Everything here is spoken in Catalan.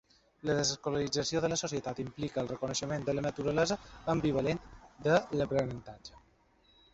La desescolarització de la societat implica el reconeixement de la naturalesa ambivalent de l'aprenentatge.